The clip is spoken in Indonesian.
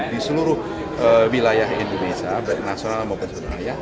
di seluruh wilayah indonesia baik nasional maupun surabaya